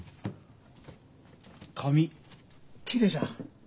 髪きれいじゃん？